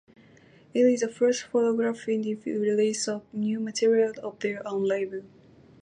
It is the first Propagandhi release of new material on their own label.